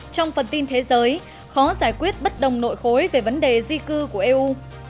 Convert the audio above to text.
trong phần tin thế giới khó giải quyết bất đồng nội khối về vấn đề di cư của eu